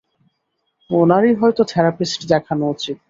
ওনার-ই হয়তো থেরাপিস্ট দেখানো উচিত।